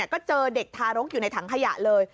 ก็เจอเด็กทารกอยู่ในถังขยะเลย